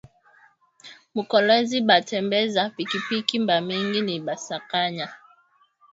Mu kolwezi ba tembeza pikipiki ba mingi ni ba kasayi